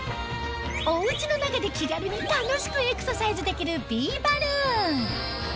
おうちの中で気軽に楽しくエクササイズできるビーバルーン